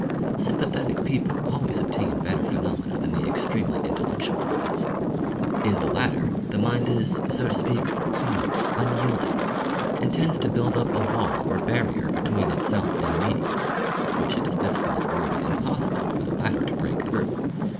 Sympathetic people always obtain better phenomena than the extremely intellectual ones. In the latter, the mind is, so to speak, hard, unyielding, and tends to build up a wall or barrier between itself and the medium, which it is difficult or even impossible for the latter to break through.